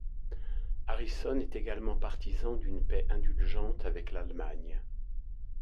Harrison est également partisan d'une paix indulgente avec l'Allemagne.